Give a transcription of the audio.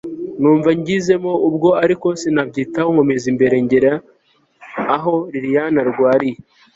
numva ngizemo ubwo ariko sinabyitaho nkomeze imbere ngere aho lilian arwariye